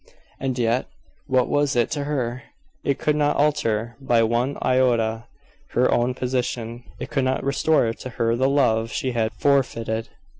And yet, what was it to her? It could not alter by one iota her own position it could not restore to her the love she had forfeited.